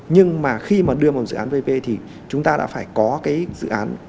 nhưng mà khi mà đưa một dự án vp thì chúng ta đã phải có cái dự án